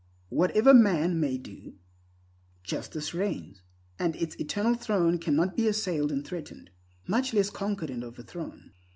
Whatever man may do, justice reigns, and its eternal throne cannot be assailed and threatened, much less conquered and overthrown.